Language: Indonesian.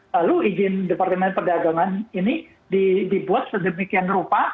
lalu izin departemen perdagangan ini dibuat sedemikian rupa